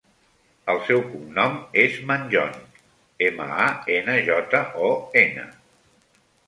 El seu cognom és Manjon: ema, a, ena, jota, o, ena.